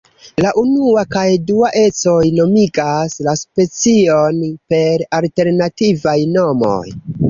La unua kaj dua ecoj nomigas la specion per alternativaj nomoj.